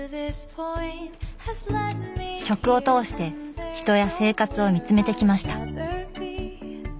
食を通して人や生活を見つめてきました。